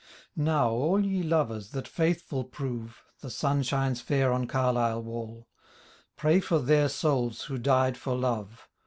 Now all ye lovers, that faithful prove, (The sun shines feir on Carlisle wall,) Pray for their souls who died for love.